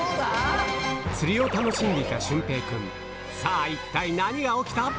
釣りを楽しんでいた駿平くんさぁ一体何が起きた？